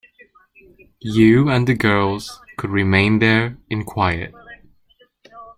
You and the girls could remain there in quiet.